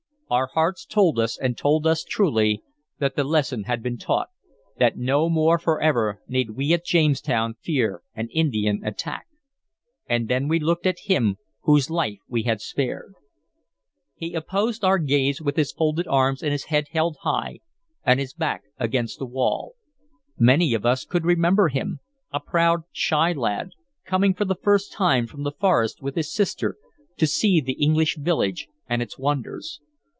Our hearts told us, and told us truly, that the lesson had been taught, that no more forever need we at Jamestown fear an Indian attack. And then we looked at him whose life we had spared. He opposed our gaze with his folded arms and his head held high and his back against the wall. Many of us could remember him, a proud, shy lad, coming for the first time from the forest with his sister to see the English village and its wonders.